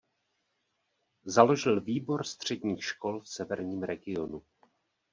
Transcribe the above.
Založil výbor středních škol v Severním regionu.